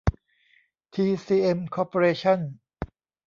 ทีซีเอ็ม คอร์ปอเรชั่น